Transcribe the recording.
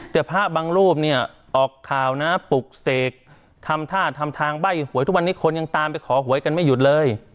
แต่พระบางรูปเนี่ยออกข่าวนะปลุกเสกทำท่าทำทางใบ้หวยทุกวันนี้คนยังตามไปขอหวยกันไม่หยุดเลย